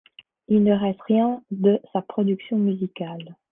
Il ne reste rien de sa production musicale.